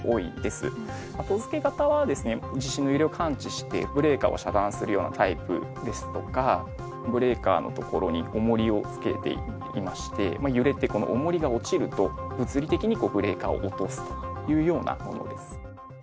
後付け型はですね地震の揺れを感知してブレーカーを遮断するようなタイプですとかブレーカーの所に重りを付けていまして揺れてこの重りが落ちると物理的にブレーカーを落とすというようなものです。